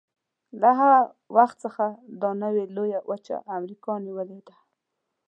له هغه وخت څخه دا نوې لویه وچه امریکا نومولې ده.